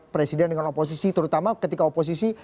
presiden dengan oposisi terutama ketika oposisi